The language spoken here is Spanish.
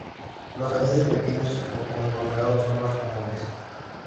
Los anillos pequeños o conglomerados son más comunes.